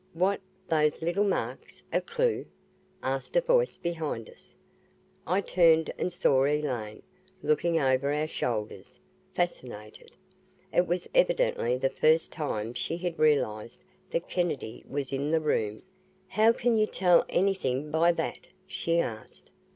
"What those little marks a clue?" asked a voice behind us. I turned and saw Elaine, looking over our shoulders, fascinated. It was evidently the first time she had realized that Kennedy was in the room. "How can you tell anything by that?'" she asked.